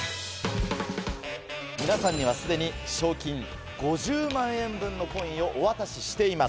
皆さんにはすでに賞金５０万円分のコインをお渡ししています。